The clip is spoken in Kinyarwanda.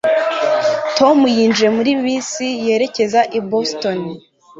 Tom yinjiye muri bisi yerekeza i Boston